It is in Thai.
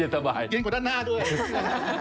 เย็นกว่าด้านหน้าด้วย